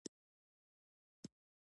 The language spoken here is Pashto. چرګان د شپې د آرام لپاره چت ته ځي.